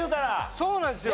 そうなんですよ！